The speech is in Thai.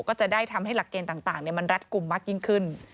ก็จะได้ทำให้หลักเกณฑ์ต่างมันรัดกลุ่มมากยิ่งขึ้น